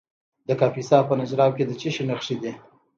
د کاپیسا په نجراب کې د څه شي نښې دي؟